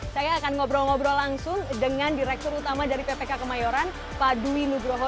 saya akan ngobrol ngobrol langsung dengan direktur utama dari ppk kemayoran pak dwi nugroho